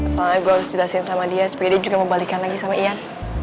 soalnya gue harus jelasin sama dia supaya dia juga membalikan lagi sama ian